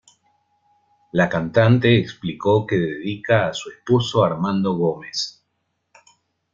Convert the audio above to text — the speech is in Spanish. La cantante explicó que dedica a su esposo Armando Gómez.